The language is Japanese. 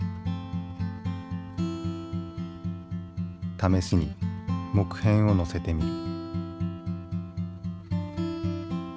試しに木片をのせてみる。